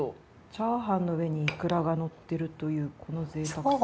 チャーハンの上にイクラがのってるというこの贅沢さ。